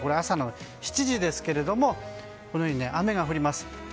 朝の７時ですけれども雨が降ります。